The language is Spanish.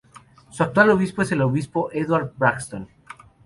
Su actual obispo es el obispo Edward Braxton.